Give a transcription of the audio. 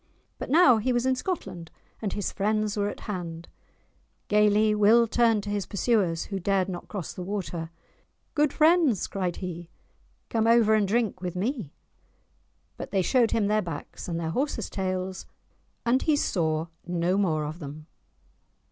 But now he was in Scotland, and his friends were at hand; gaily Will turned to his pursuers, who dared not cross the water; "Good friends," cried he, "come over and drink with me!" But they showed him their backs, and their horses's tails, and he saw no more of them.